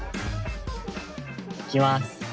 いきます。